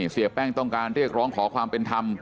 เสียแป้งต้องการเรียกร้องขอความเป็นธรรม